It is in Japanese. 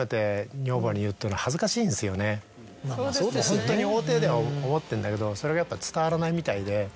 ホントに表では思ってんだけどそれがやっぱ伝わらないみたいで。